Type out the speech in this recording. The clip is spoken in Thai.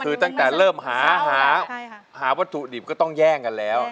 คือตั้งแต่เริ่มหาวัตถุดิบก็ต้องแย่งกันแล้ว